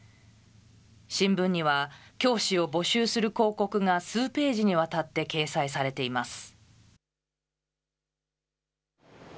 新聞には、教師を募集する広告が数ページにわたって掲載されています。